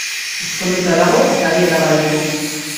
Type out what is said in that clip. Ezkonduta dago eta bi alaba ditu.